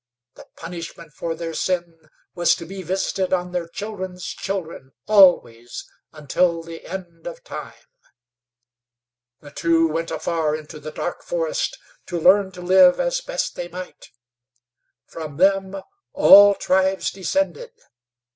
The punishment for their sin was to be visited on their children's children, always, until the end of time. The two went afar into the dark forest, to learn to live as best they might. From them all tribes descended.